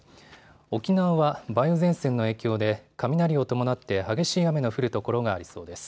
沖縄は梅雨前線の影響で雷を伴って激しい雨が降る所がありそうです。